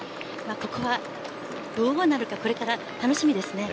ここはどうなるかこれから楽しみです。